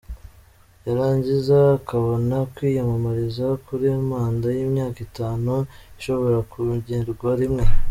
Yarangiza akabona kwiyamamariza kuri manda y’imyaka itanu ishobora kungerwa rimwe.